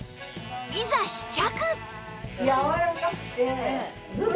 いざ試着！